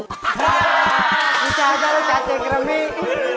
bisa aja loh saatnya kremik